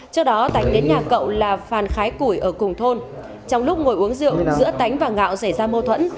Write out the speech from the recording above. trước đó tánh đến nhà cậu là phàn khái củi ở cùng thôn trong lúc ngồi uống rượu giữa tánh và ngạo xảy ra mô thuẫn